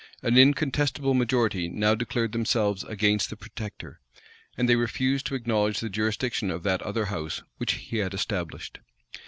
An incontestable majority now declared themselves against the protector; and they refused to acknowledge the jurisdiction of that other house which he had established.